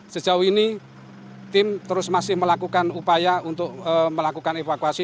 sejauh ini tim terus masih melakukan upaya untuk melakukan evakuasi